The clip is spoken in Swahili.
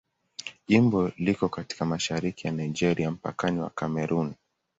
Jimbo liko katika mashariki ya Nigeria, mpakani wa Kamerun.